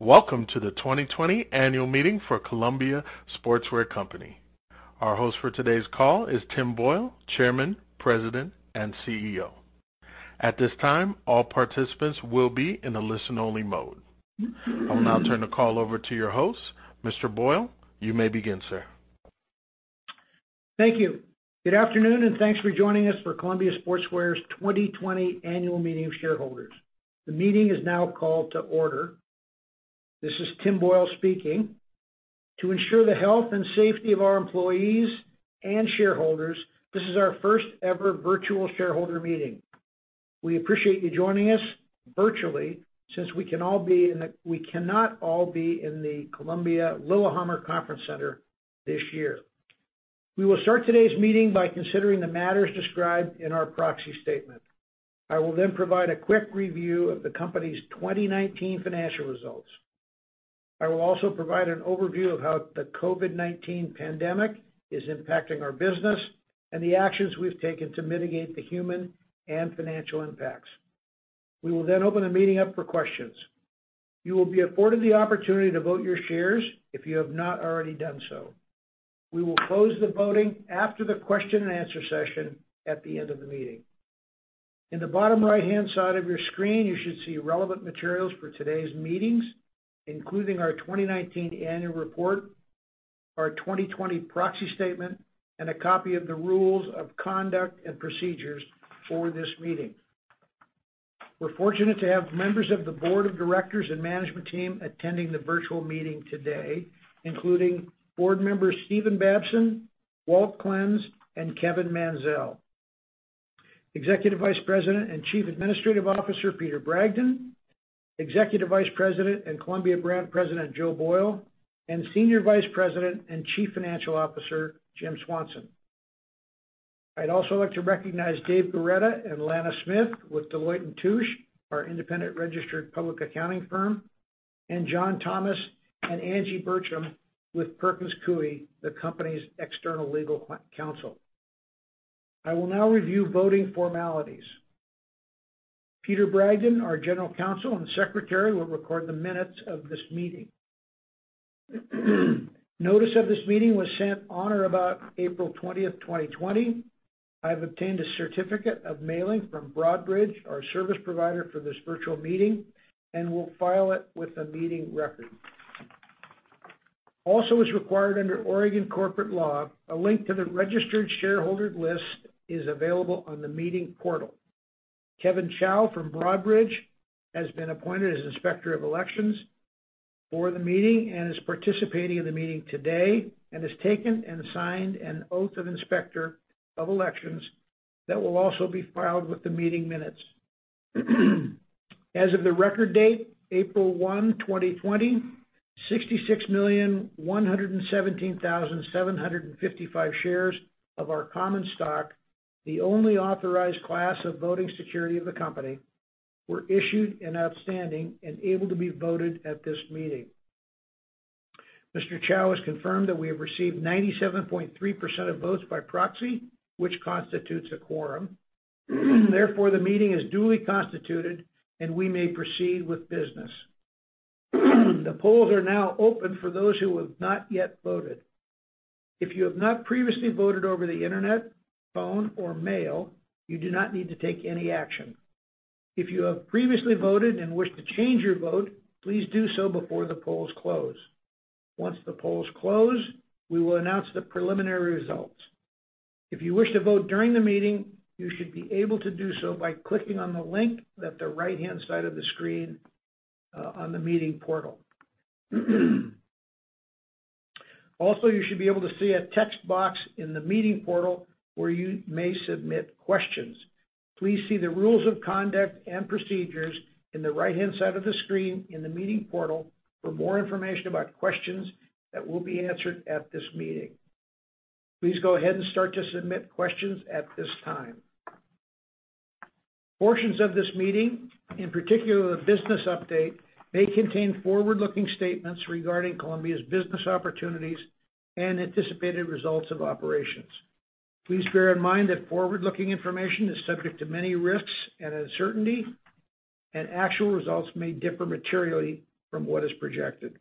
Welcome to the 2020 annual meeting for Columbia Sportswear Company. Our host for today's call is Tim Boyle, Chairman, President, and CEO. At this time, all participants will be in a listen-only mode. I will now turn the call over to your host. Mr. Boyle, you may begin, sir. Thank you. Good afternoon, and thanks for joining us for Columbia Sportswear's 2020 annual meeting of shareholders. The meeting is now called to order. This is Tim Boyle speaking. To ensure the health and safety of our employees and shareholders, this is our first ever virtual shareholder meeting. We appreciate you joining us virtually since we cannot all be in the Columbia Lillehammer Conference Center this year. We will start today's meeting by considering the matters described in our proxy statement. I will provide a quick review of the company's 2019 financial results. I will also provide an overview of how the COVID-19 pandemic is impacting our business and the actions we've taken to mitigate the human and financial impacts. We will open the meeting up for questions. You will be afforded the opportunity to vote your shares if you have not already done so. We will close the voting after the question and answer session at the end of the meeting. In the bottom right-hand side of your screen, you should see relevant materials for today's meetings, including our 2019 annual report, our 2020 proxy statement, and a copy of the rules of conduct and procedures for this meeting. We're fortunate to have members of the board of directors and management team attending the virtual meeting today, including board members Stephen Babson, Walt Klenz, and Kevin Mansell. Executive Vice President and Chief Administrative Officer, Peter Bragdon, Executive Vice President and Columbia Brand President, Joe Boyle, and Senior Vice President and Chief Financial Officer, Jim Swanson. I'd also like to recognize Dave Baratta and Lana Smith with Deloitte & Touche, our independent registered public accounting firm, and John Thomas and Angie Burcham with Perkins Coie, the company's external legal counsel. I will now review voting formalities. Peter Bragdon, our General Counsel and Secretary, will record the minutes of this meeting. Notice of this meeting was sent on or about April 20th, 2020. I've obtained a certificate of mailing from Broadridge, our service provider for this virtual meeting, and will file it with the meeting record. Also as required under Oregon corporate law, a link to the registered shareholder list is available on the meeting portal. Kevin Chau from Broadridge has been appointed as Inspector of Elections for the meeting and is participating in the meeting today and has taken and signed an Oath of Inspector of Elections that will also be filed with the meeting minutes. As of the record date, April 1, 2020, 66,117,755 shares of our common stock, the only authorized class of voting security of the company, were issued and outstanding and able to be voted at this meeting. Mr. Chow has confirmed that we have received 97.3% of votes by proxy, which constitutes a quorum. Therefore, the meeting is duly constituted, and we may proceed with business. The polls are now open for those who have not yet voted. If you have not previously voted over the internet, phone, or mail, you do not need to take any action. If you have previously voted and wish to change your vote, please do so before the polls close. Once the polls close, we will announce the preliminary results. If you wish to vote during the meeting, you should be able to do so by clicking on the link at the right-hand side of the screen on the meeting portal. You should be able to see a text box in the meeting portal where you may submit questions. Please see the rules of conduct and procedures in the right-hand side of the screen in the meeting portal for more information about questions that will be answered at this meeting. Please go ahead and start to submit questions at this time. Portions of this meeting, in particular the business update, may contain forward-looking statements regarding Columbia's business opportunities and anticipated results of operations. Please bear in mind that forward-looking information is subject to many risks and uncertainty, actual results may differ materially from what is projected.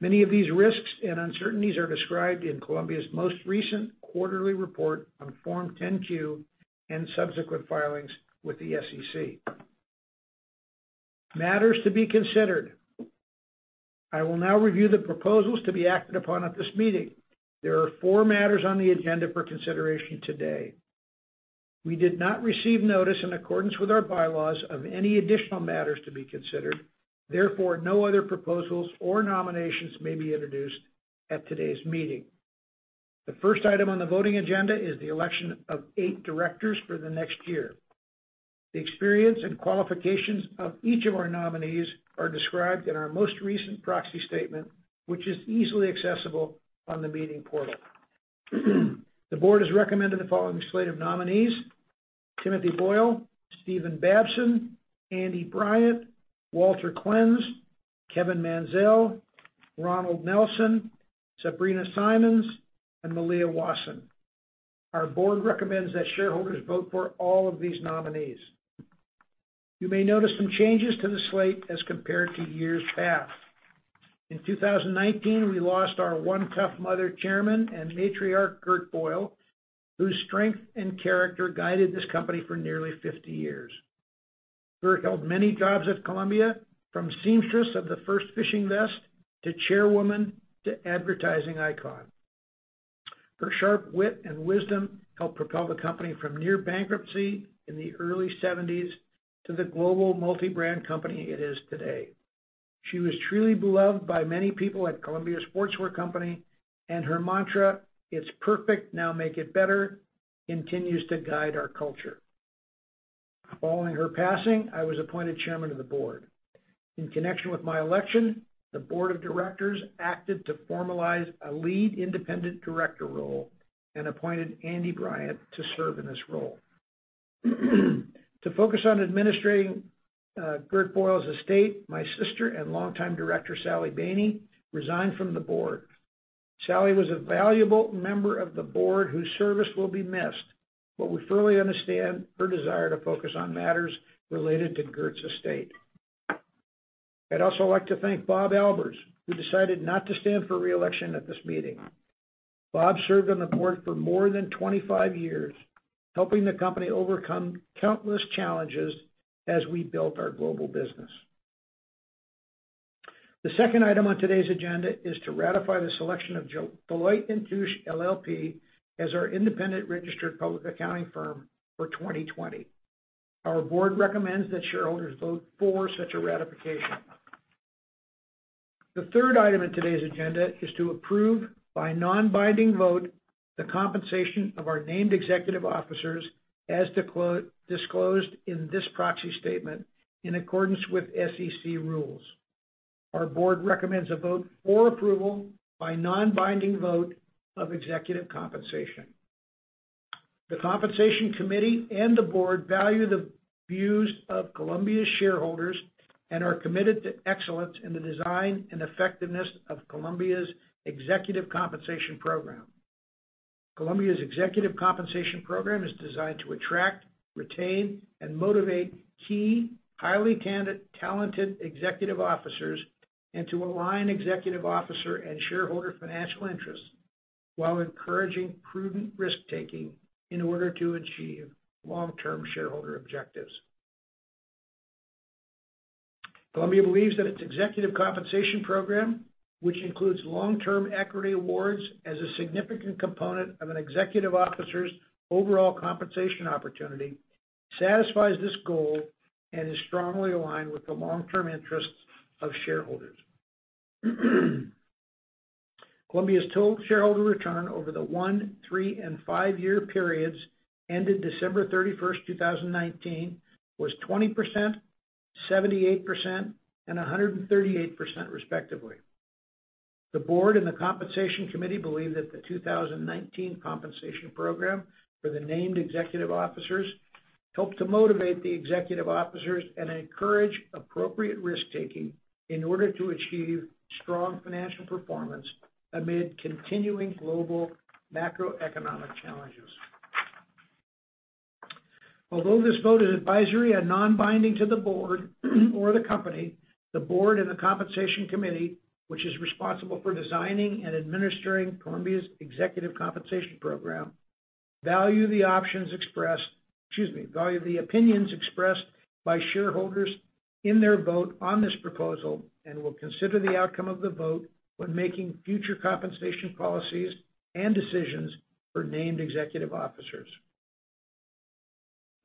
Many of these risks and uncertainties are described in Columbia's most recent quarterly report on Form 10-Q, and subsequent filings with the SEC. Matters to be considered. I will now review the proposals to be acted upon at this meeting. There are four matters on the agenda for consideration today. We did not receive notice in accordance with our bylaws of any additional matters to be considered. Therefore, no other proposals or nominations may be introduced at today's meeting. The first item on the voting agenda is the election of eight directors for the next year. The experience and qualifications of each of our nominees are described in our most recent proxy statement, which is easily accessible on the meeting portal. The board has recommended the following slate of nominees: Timothy Boyle, Stephen Babson, Andy Bryant, Walter Klenz, Kevin Mansell, Ronald Nelson, Sabrina Simmons, and Malia Wasson. Our board recommends that shareholders vote for all of these nominees. You may notice some changes to the slate as compared to years past. In 2019, we lost our one tough mother chairman and matriarch, Gert Boyle, whose strength and character guided this company for nearly 50 years. Gert held many jobs at Columbia, from seamstress of the first fishing vest, to chairwoman, to advertising icon. Her sharp wit and wisdom helped propel the company from near bankruptcy in the early '70s to the global multi-brand company it is today. She was truly beloved by many people at Columbia Sportswear Company, and her mantra, "It's perfect, now make it better," continues to guide our culture. Following her passing, I was appointed chairman of the board. In connection with my election, the board of directors acted to formalize a lead independent director role and appointed Andy Bryant to serve in this role. To focus on administrating Gert Boyle's estate, my sister and longtime director, Sally Bany, resigned from the board. Sally was a valuable member of the board whose service will be missed, but we fully understand her desire to focus on matters related to Gert's estate. I'd also like to thank Bob Albers, who decided not to stand for re-election at this meeting. Bob served on the board for more than 25 years, helping the company overcome countless challenges as we built our global business. The second item on today's agenda is to ratify the selection of Deloitte & Touche LLP as our independent registered public accounting firm for 2020. Our board recommends that shareholders vote for such a ratification. The third item in today's agenda is to approve by non-binding vote the compensation of our named executive officers as disclosed in this proxy statement in accordance with SEC rules. Our board recommends a vote for approval by non-binding vote of executive compensation. The compensation committee and the board value the views of Columbia's shareholders and are committed to excellence in the design and effectiveness of Columbia's executive compensation program. Columbia's executive compensation program is designed to attract, retain, and motivate key, highly talented executive officers and to align executive officer and shareholder financial interests while encouraging prudent risk-taking in order to achieve long-term shareholder objectives. Columbia believes that its executive compensation program, which includes long-term equity awards as a significant component of an executive officer's overall compensation opportunity, satisfies this goal and is strongly aligned with the long-term interests of shareholders. Columbia's total shareholder return over the one, three, and five-year periods ended December 31st, 2019, was 20%, 78%, and 138%, respectively. The board and the compensation committee believe that the 2019 compensation program for the named executive officers helped to motivate the executive officers and encourage appropriate risk-taking in order to achieve strong financial performance amid continuing global macroeconomic challenges. Although this vote is advisory and non-binding to the board or the company, the board and the compensation committee, which is responsible for designing and administering Columbia's executive compensation program, value the opinions expressed by shareholders in their vote on this proposal and will consider the outcome of the vote when making future compensation policies and decisions for named executive officers.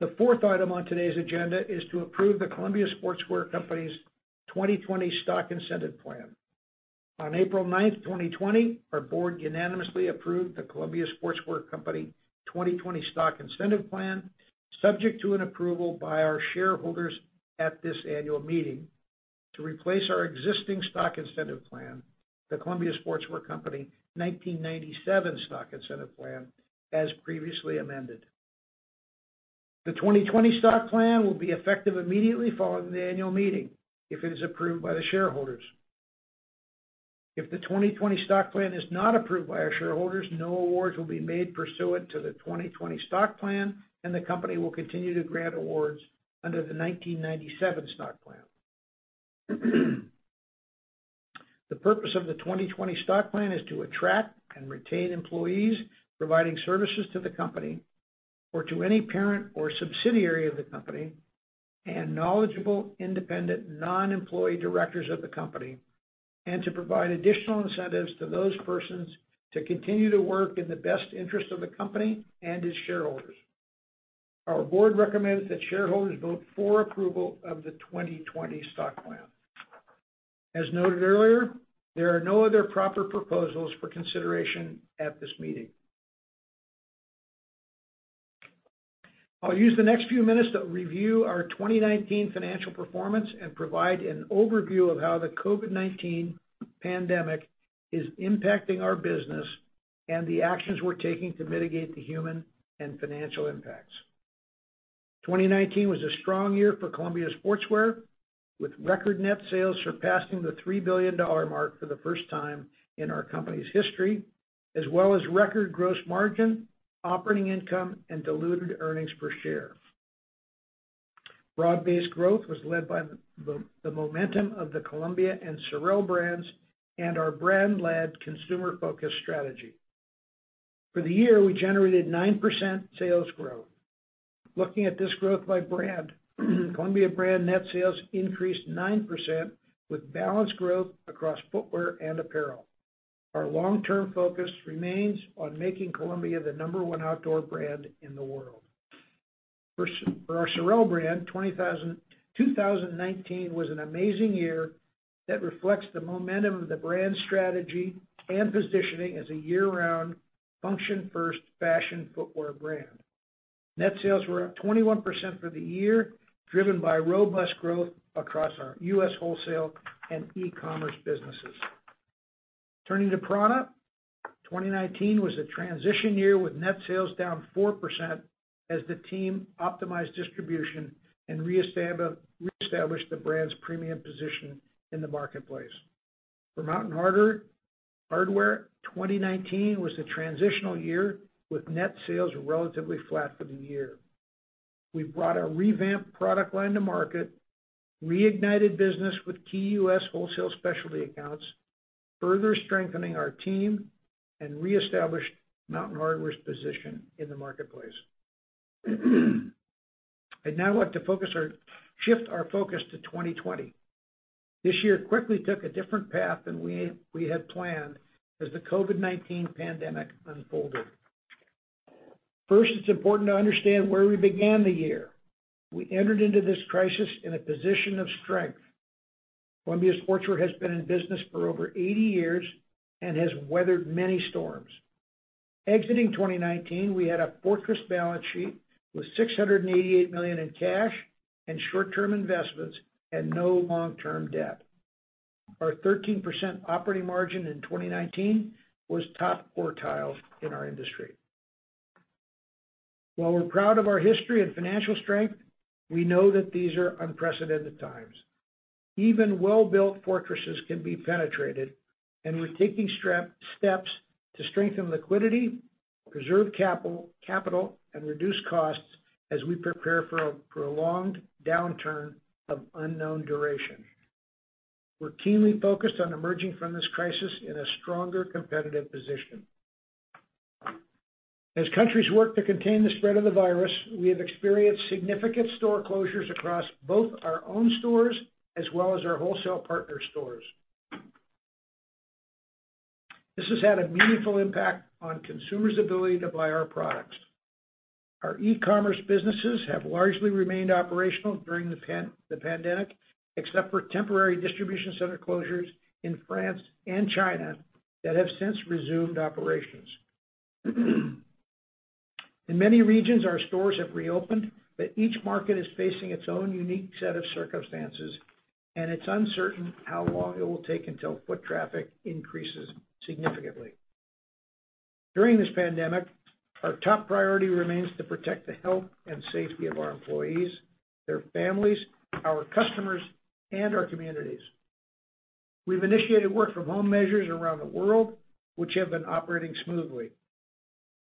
The fourth item on today's agenda is to approve the Columbia Sportswear Company's 2020 Stock Incentive Plan. On April 9th, 2020, our board unanimously approved the Columbia Sportswear Company 2020 Stock Incentive Plan, subject to an approval by our shareholders at this annual meeting to replace our existing stock incentive plan, the Columbia Sportswear Company 1997 Stock Incentive Plan, as previously amended. The 2020 Stock Plan will be effective immediately following the annual meeting if it is approved by the shareholders. If the 2020 Stock Plan is not approved by our shareholders, no awards will be made pursuant to the 2020 Stock Plan, and the company will continue to grant awards under the 1997 Stock Plan. The purpose of the 2020 Stock Plan is to attract and retain employees providing services to the company or to any parent or subsidiary of the company and knowledgeable, independent, non-employee directors of the company, and to provide additional incentives to those persons to continue to work in the best interest of the company and its shareholders. Our board recommends that shareholders vote for approval of the 2020 Stock Plan. As noted earlier, there are no other proper proposals for consideration at this meeting. I'll use the next few minutes to review our 2019 financial performance and provide an overview of how the COVID-19 pandemic is impacting our business and the actions we're taking to mitigate the human and financial impacts. 2019 was a strong year for Columbia Sportswear, with record net sales surpassing the $3 billion mark for the first time in our company's history, as well as record gross margin, operating income, and diluted earnings per share. Broad-based growth was led by the momentum of the Columbia and SOREL brands and our brand-led consumer-focused strategy. For the year, we generated 9% sales growth. Looking at this growth by brand, Columbia brand net sales increased 9% with balanced growth across footwear and apparel. Our long-term focus remains on making Columbia the number one outdoor brand in the world. For our SOREL brand, 2019 was an amazing year that reflects the momentum of the brand strategy and positioning as a year-round, function first, fashion footwear brand. Net sales were up 21% for the year, driven by robust growth across our U.S. wholesale and e-commerce businesses. Turning to prAna, 2019 was a transition year with net sales down 4% as the team optimized distribution and reestablished the brand's premium position in the marketplace. For Mountain Hardwear, 2019 was a transitional year with net sales relatively flat for the year. We've brought a revamped product line to market, reignited business with key U.S. wholesale specialty accounts, further strengthening our team, and reestablished Mountain Hardwear's position in the marketplace. I now want to shift our focus to 2020. This year quickly took a different path than we had planned as the COVID-19 pandemic unfolded. First, it's important to understand where we began the year. We entered into this crisis in a position of strength. Columbia Sportswear has been in business for over 80 years and has weathered many storms. Exiting 2019, we had a fortress balance sheet with $688 million in cash and short-term investments and no long-term debt. Our 13% operating margin in 2019 was top quartile in our industry. While we're proud of our history and financial strength, we know that these are unprecedented times. Even well-built fortresses can be penetrated, we're taking steps to strengthen liquidity, preserve capital, and reduce costs as we prepare for a prolonged downturn of unknown duration. We're keenly focused on emerging from this crisis in a stronger competitive position. As countries work to contain the spread of the virus, we have experienced significant store closures across both our own stores as well as our wholesale partner stores. This has had a meaningful impact on consumers' ability to buy our products. Our e-commerce businesses have largely remained operational during the pandemic, except for temporary distribution center closures in France and China that have since resumed operations. In many regions, our stores have reopened, but each market is facing its own unique set of circumstances, and it's uncertain how long it will take until foot traffic increases significantly. During this pandemic, our top priority remains to protect the health and safety of our employees, their families, our customers, and our communities. We've initiated work from home measures around the world, which have been operating smoothly.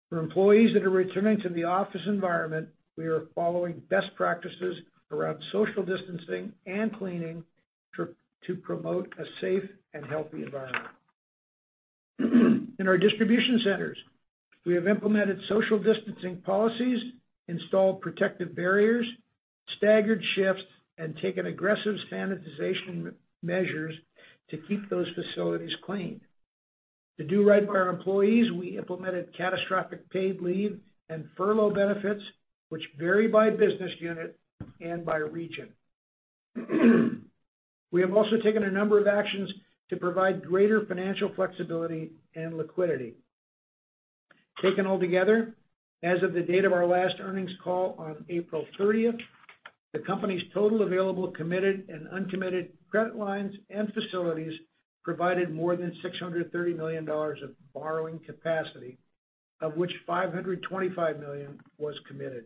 For employees that are returning to the office environment, we are following best practices around social distancing and cleaning to promote a safe and healthy environment. In our distribution centers, we have implemented social distancing policies, installed protective barriers, staggered shifts, and taken aggressive sanitization measures to keep those facilities clean. To do right by our employees, we implemented catastrophic paid leave and furlough benefits, which vary by business unit and by region. We have also taken a number of actions to provide greater financial flexibility and liquidity. Taken all together, as of the date of our last earnings call on April 30th, the company's total available committed and uncommitted credit lines and facilities provided more than $630 million of borrowing capacity, of which $525 million was committed.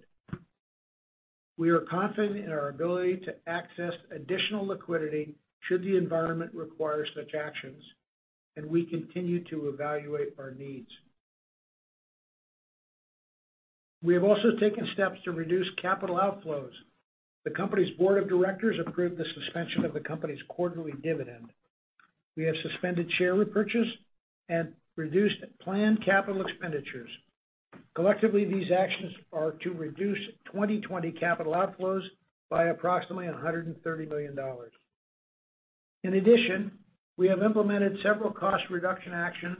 We are confident in our ability to access additional liquidity should the environment require such actions, and we continue to evaluate our needs. We have also taken steps to reduce capital outflows. The company's board of directors approved the suspension of the company's quarterly dividend. We have suspended share repurchase and reduced planned capital expenditures. Collectively, these actions are to reduce 2020 capital outflows by approximately $130 million. We have implemented several cost reduction actions,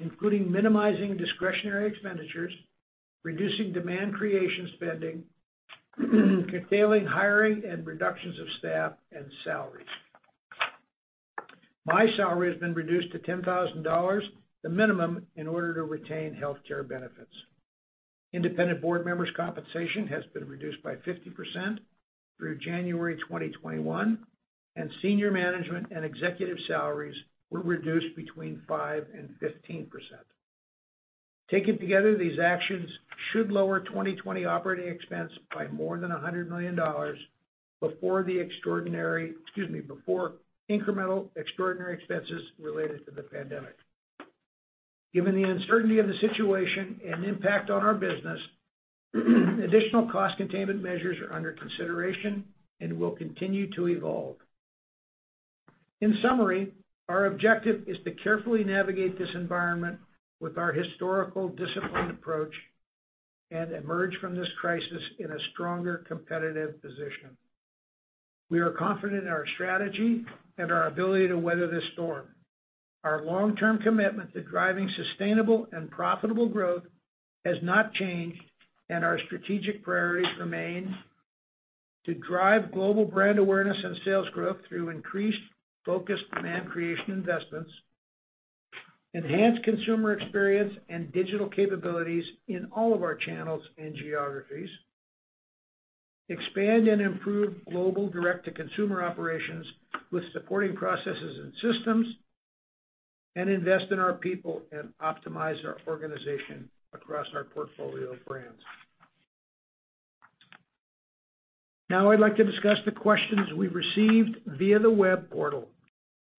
including minimizing discretionary expenditures, reducing demand creation spending, curtailing hiring, and reductions of staff and salaries. My salary has been reduced to $10,000, the minimum in order to retain healthcare benefits. Independent board members' compensation has been reduced by 50% through January 2021, and senior management and executive salaries were reduced between 5% and 15%. Taken together, these actions should lower 2020 operating expense by more than $100 million before incremental extraordinary expenses related to the pandemic. Given the uncertainty of the situation and impact on our business, additional cost containment measures are under consideration and will continue to evolve. In summary, our objective is to carefully navigate this environment with our historical disciplined approach and emerge from this crisis in a stronger competitive position. We are confident in our strategy and our ability to weather this storm. Our long-term commitment to driving sustainable and profitable growth has not changed, and our strategic priorities remain: to drive global brand awareness and sales growth through increased, focused demand creation investments, enhance consumer experience and digital capabilities in all of our channels and geographies, expand and improve global direct-to-consumer operations with supporting processes and systems, and invest in our people and optimize our organization across our portfolio of brands. Now I'd like to discuss the questions we received via the web portal.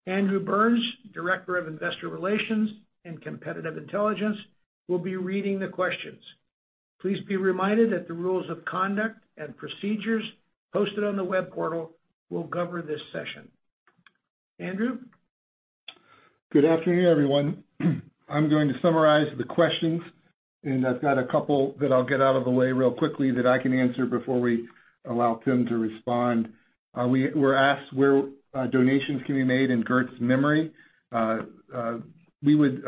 Andrew Burns, Director of Investor Relations and Competitive Intelligence, will be reading the questions. Please be reminded that the rules of conduct and procedures posted on the web portal will cover this session. Andrew? Good afternoon, everyone. I'm going to summarize the questions, and I've got a couple that I'll get out of the way real quickly that I can answer before we allow Tim to respond. We were asked where donations can be made in Gert's memory. We would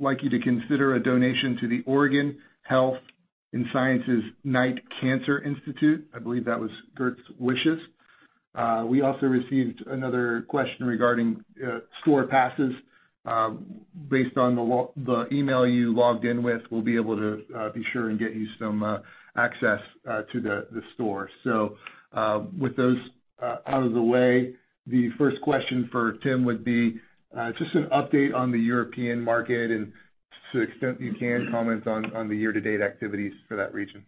like you to consider a donation to the Oregon Health & Science Knight Cancer Institute. I believe that was Gert's wishes. We also received another question regarding store passes. Based on the email you logged in with, we'll be able to be sure and get you some access to the store. With those out of the way, the first question for Tim would be just an update on the European market and to the extent you can, comment on the year-to-date activities for that region.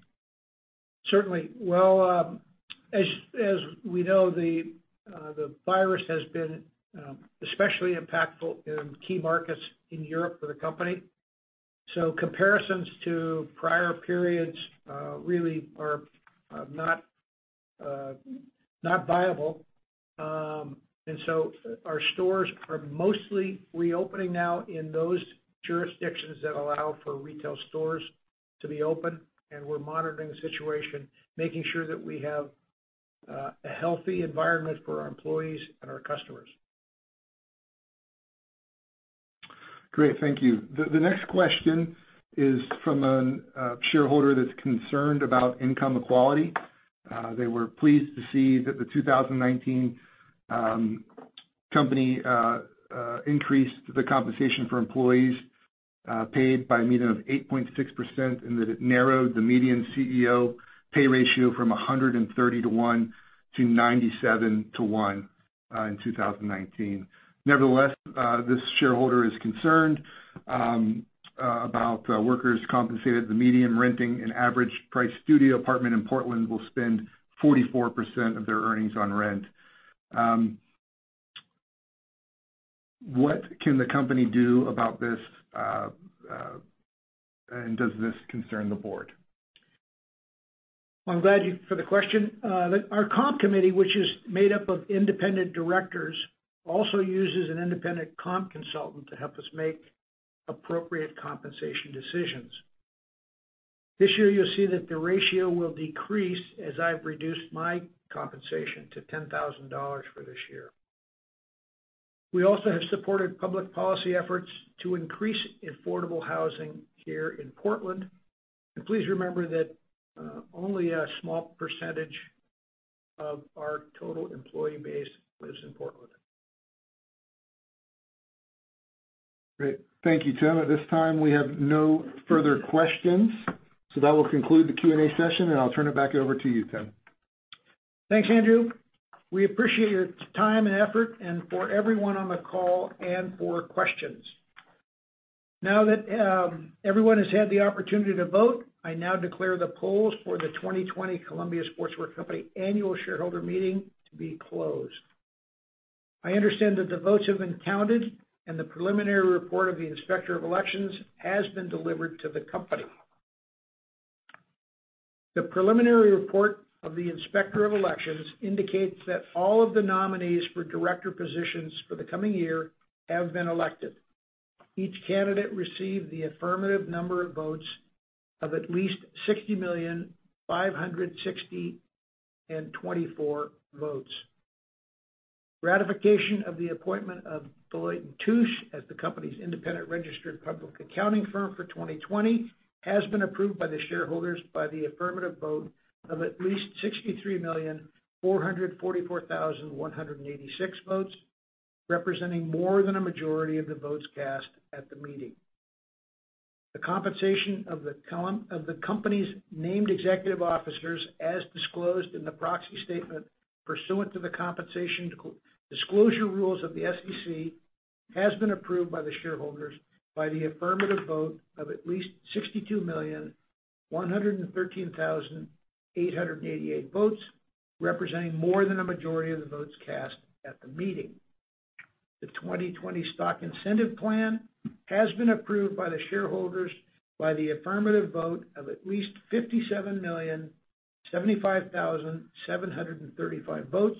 Certainly. Well, as we know, the virus has been especially impactful in key markets in Europe for the company. Comparisons to prior periods really are not viable. Our stores are mostly reopening now in those jurisdictions that allow for retail stores to be open, and we're monitoring the situation, making sure that we have a healthy environment for our employees and our customers. Great. Thank you. The next question is from a shareholder that's concerned about income equality. They were pleased to see that the 2019 company increased the compensation for employees paid by a mean of 8.6%, and that it narrowed the median CEO pay ratio from 130:1-97:1 in 2019. Nevertheless, this shareholder is concerned about workers compensated. The median renting and average price studio apartment in Portland will spend 44% of their earnings on rent. What can the company do about this, and does this concern the board? Well, I'm glad for the question. Our comp committee, which is made up of independent directors, also uses an independent comp consultant to help us make appropriate compensation decisions. This year, you'll see that the ratio will decrease as I've reduced my compensation to $10,000 for this year. We also have supported public policy efforts to increase affordable housing here in Portland. Please remember that only a small percentage of our total employee base lives in Portland. Great. Thank you, Tim. At this time, we have no further questions, so that will conclude the Q&A session, and I'll turn it back over to you, Tim. Thanks, Andrew. We appreciate your time and effort, and for everyone on the call and for questions. Now that everyone has had the opportunity to vote, I now declare the polls for the 2020 Columbia Sportswear Company annual shareholder meeting to be closed. I understand that the votes have been counted, and the preliminary report of the Inspector of Elections has been delivered to the company. The preliminary report of the Inspector of Elections indicates that all of the nominees for director positions for the coming year have been elected. Each candidate received the affirmative number of votes of at least 60,560,024 votes. Ratification of the appointment of Deloitte & Touche as the company's independent registered public accounting firm for 2020 has been approved by the shareholders by the affirmative vote of at least 63,444,186 votes, representing more than a majority of the votes cast at the meeting. The compensation of the company's named executive officers, as disclosed in the proxy statement pursuant to the compensation disclosure rules of the SEC, has been approved by the shareholders by the affirmative vote of at least 62,113,888 votes, representing more than a majority of the votes cast at the meeting. The 2020 Stock Incentive Plan has been approved by the shareholders by the affirmative vote of at least 57,075,735 votes,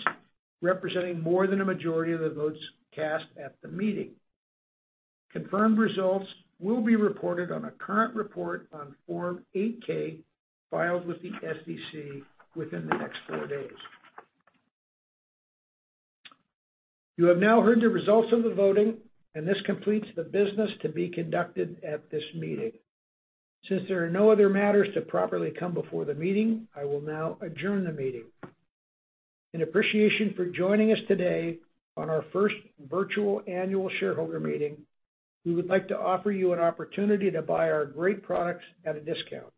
representing more than a majority of the votes cast at the meeting. Confirmed results will be reported on a current report on Form 8-K filed with the SEC within the next four days. You have now heard the results of the voting, and this completes the business to be conducted at this meeting. Since there are no other matters to properly come before the meeting, I will now adjourn the meeting. In appreciation for joining us today on our first virtual annual shareholder meeting, we would like to offer you an opportunity to buy our great products at a discount.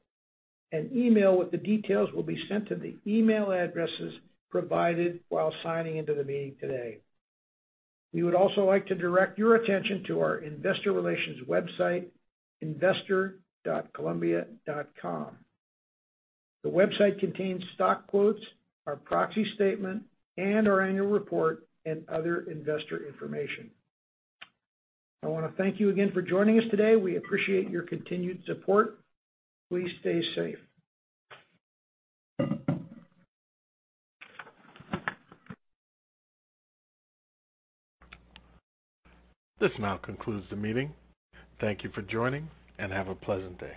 An email with the details will be sent to the email addresses provided while signing into the meeting today. We would also like to direct your attention to our investor relations website, investor.columbia.com. The website contains stock quotes, our proxy statement, and our annual report and other investor information. I want to thank you again for joining us today. We appreciate your continued support. Please stay safe. This now concludes the meeting. Thank you for joining, and have a pleasant day.